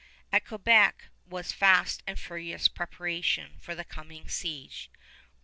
At Quebec was fast and furious preparation for the coming siege.